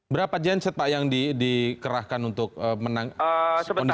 berapa genset pak yang dikerahkan untuk menang kondisi ini